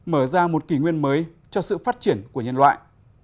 mở ra một kỷ nguyên mới cho sự phát triển của nhân loại